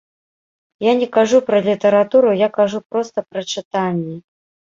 Я не кажу пра літаратуру, я кажу проста пра чытанне.